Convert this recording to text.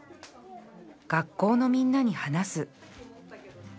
学校のみんなに話す